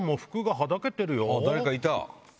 誰かいた？